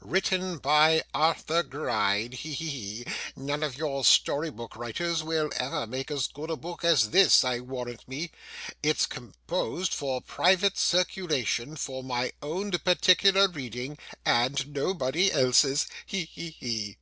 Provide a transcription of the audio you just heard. Written by Arthur Gride. He, he, he! None of your storybook writers will ever make as good a book as this, I warrant me. It's composed for private circulation, for my own particular reading, and nobody else's. He, he, he!